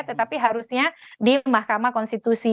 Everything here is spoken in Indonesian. tetapi harusnya di mahkamah konstitusi